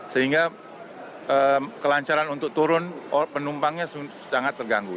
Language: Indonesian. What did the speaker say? sehingga kelancaran untuk turun penumpangnya sangat terganggu